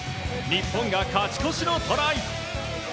日本が勝ち越しのトライ！